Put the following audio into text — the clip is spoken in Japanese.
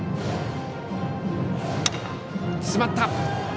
詰まった。